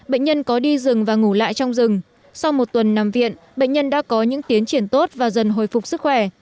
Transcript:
bệnh nhân có đi rừng và ngủ lại trong rừng sau một tuần nằm viện bệnh nhân đã có những tiến triển tốt và dần hồi phục sức khỏe